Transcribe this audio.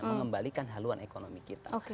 mengembalikan haluan ekonomi kita